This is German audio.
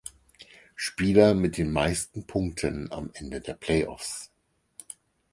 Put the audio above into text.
Spieler mit den meisten Punkten am Ende der Playoffs.